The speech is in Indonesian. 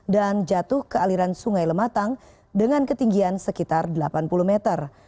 dan jatuh ke aliran sungai lematang dengan ketinggian sekitar delapan puluh meter